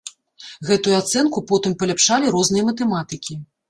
Гэтую ацэнку потым паляпшалі розныя матэматыкі.